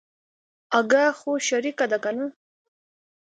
اگه خو شريکه ده کنه.